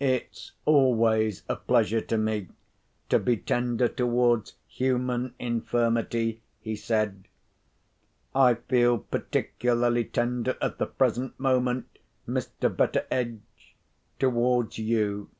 "It's always a pleasure to me to be tender towards human infirmity," he said. "I feel particularly tender at the present moment, Mr. Betteredge, towards you.